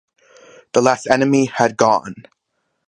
The last enemy had gone.